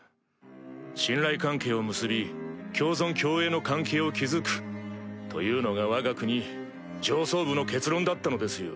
信頼関係を結び共存共栄の関係を築くというのがわが国上層部の結論だったのですよ。